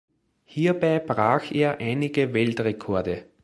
Hierbei brach er einige Weltrekorde.